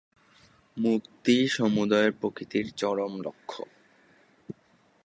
মুক্তিই সমুদয় প্রকৃতির চরম লক্ষ্য।